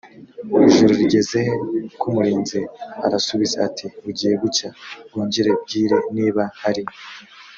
ijoro rigeze he k umurinzi arasubiza ati bugiye gucya bwongere bwire niba hari